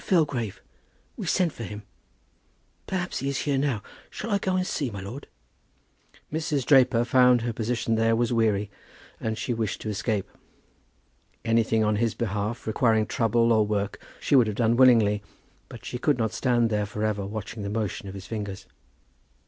Filgrave. We sent for him. Perhaps he is here now. Shall I go and see, my lord?" Mrs. Draper found that her position there was weary and she wished to escape. Anything on his behalf requiring trouble or work she would have done willingly; but she could not stand there for ever watching the motion of his fingers.